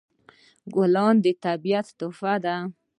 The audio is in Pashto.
ګلان د طبیعت تحفه ده.